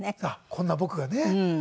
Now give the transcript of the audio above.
こんな僕が。